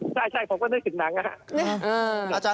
แบบหนังเลยนะอาจารย์